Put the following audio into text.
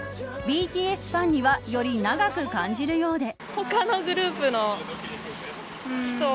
ＢＴＳファンにはより長く感じるようで。